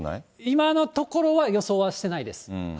今のところは予想はしてないです。